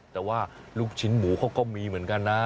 แต่ว่าลูกชิ้นหมูเขาก็มีเหมือนกันนะ